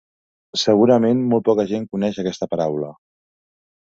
Segurament molt poca gent coneix aquesta paraula.